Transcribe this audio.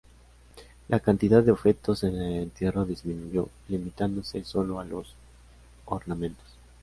La cantidad de objetos en el entierro disminuyó, limitándose solo a los ornamentos.